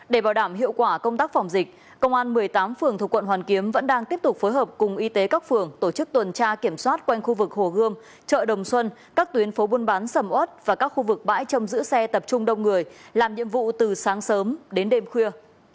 để bảo đảm hiệu quả công tác phòng dịch công an một mươi tám phường thuộc quận hoàn kiếm vẫn đang tiếp tục phối hợp cùng y tế các phường tổ chức tuần tra kiểm soát quanh khu vực hồ gươm chợ đồng xuân các tuyến phố buôn bán sầm ớt và các khu vực bãi trông giữ xe tập trung đông người làm nhiệm vụ từ sáng sớm đến đêm khuya